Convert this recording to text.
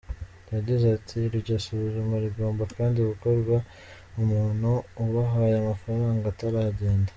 Yagize ati, "Iryo suzuma rigomba kandi gukorwa umuntu ubahaye amafaranga ataragenda.